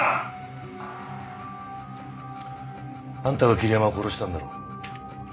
あんたが桐山を殺したんだろ？